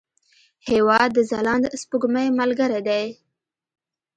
هېواد د ځلانده سپوږمۍ ملګری دی.